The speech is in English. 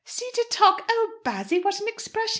"See to talk! Oh, Bassy, what an expression!